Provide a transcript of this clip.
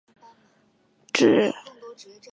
本区议席一直为保守党控制。